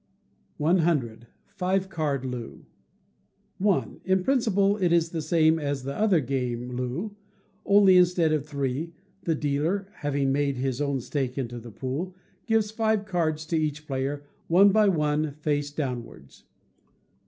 100. Five Card Loo. i. In principle it is the same as the other game Loo, only instead of three, the dealer (having paid his own stake into the pool) gives five cards to each player, one by one, face downwards.